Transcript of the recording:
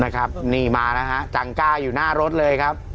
นี่มานะฮะจังก้าอยู่หน้ารถเลยครับ